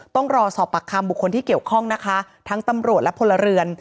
ต้องรอสอบปากคำบุคคลที่เกี่ยวข้องนะคะทั้งตำรวจและพลเรือน